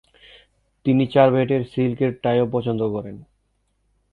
তিনি চার্ভেটের সিল্কের টাইও পছন্দ করেন।